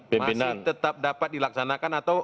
masih tetap dapat dilaksanakan atau